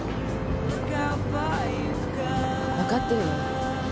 分かってるわよ。